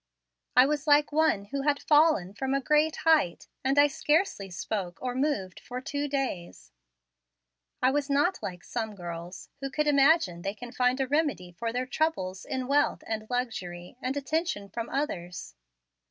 I was like one who had fallen from a great height, and I scarcely spoke or moved for two days. I was not like some girls, who imagine they can find a remedy for their troubles in wealth and luxury and attention from others.